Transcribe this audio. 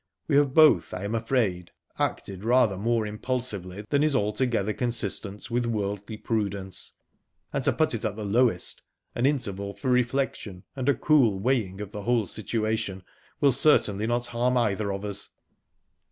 We have both, I am afraid, acted rather more impulsively than is altogether consistent with worldly prudence, and, to put it at the lowest, an interval for reflection and a cool weighing of the whole situation will certainly not harm either of us.